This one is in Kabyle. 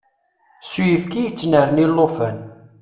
S uyefki i yettnerni llufan.